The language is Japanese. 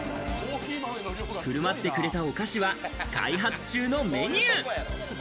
振舞ってくれたお菓子は、開発中のメニュー。